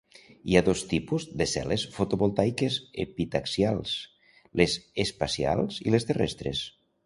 Hi ha dos tipus de cel·les fotovoltaiques epitaxials: les espacials i les terrestres.